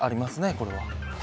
これは。